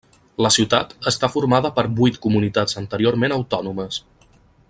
La ciutat està formada per vuit comunitats anteriorment autònomes.